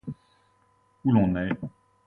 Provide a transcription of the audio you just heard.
Où l’on est —